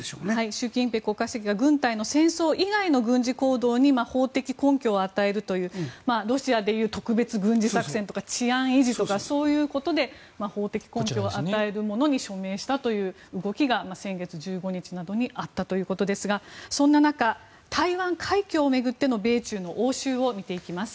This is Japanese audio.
習近平国家主席が軍隊の戦争以外の軍事行動に法的根拠を与えるというロシアでいう特別軍事作戦とか治安維持とかそういうことで法的根拠を与えるものに署名したという動きが先月１５日などにあったということですがそんな中、台湾海峡を巡っての米中の応酬を見ていきます。